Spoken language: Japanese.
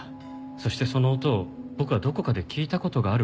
そしてその音を僕はどこかで聞いた事がある気がしたんです。